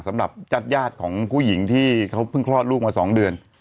สำหรับญาติของผู้หญิงที่เขาเพิ่งคลอดลูกมา๒เดือน